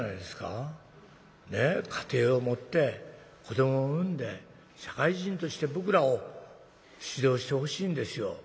家庭を持って子どもを産んで社会人として僕らを指導してほしいんですよ。